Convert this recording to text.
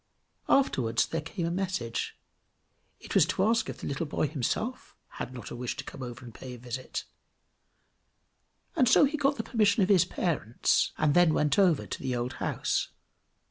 Afterwards there came a message; it was to ask if the little boy himself had not a wish to come over and pay a visit; and so he got permission of his parents, and then went over to the old house.